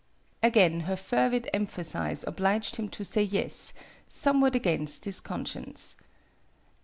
Again her fervid emphasis obliged him to say yes, somewhat against his conscience.